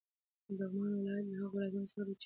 لغمان ولایت له هغو ولایتونو څخه دی چې: